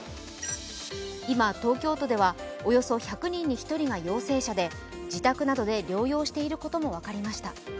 今、東京都ではおよそ１００人に１人が陽性者で自宅などで療養していることも分かりました。